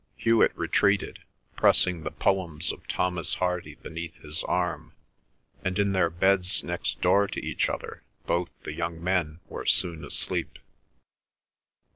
Hewet retreated, pressing the poems of Thomas Hardy beneath his arm, and in their beds next door to each other both the young men were soon asleep.